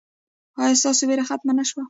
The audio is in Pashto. ایا ستاسو ویره ختمه نه شوه؟